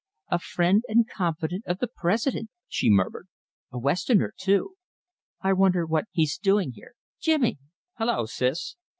"A friend and confidant of the President," she murmured. "A Westerner, too. I wonder what he's doing here ... Jimmy!" "Hallo, Sis?"